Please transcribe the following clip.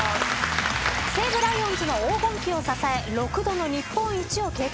西武ライオンズの黄金期を支え６度の日本一を経験。